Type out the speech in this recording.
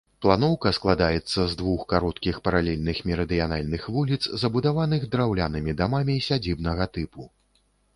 Планоўка складаецца з двух кароткіх, паралельных мерыдыянальных вуліц, забудаваных драўлянымі дамамі сядзібнага тыпу.